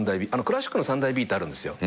クラシックの３大Ｂってあるんですよ。